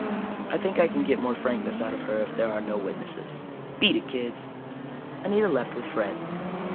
I think I can get more frankness out of her if there are no witnesses. Beat it, kids." Anita left with Fred.